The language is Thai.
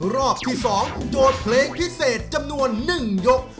รอบที่๒โจทย์เพลงพิเศษจำนวน๑ยก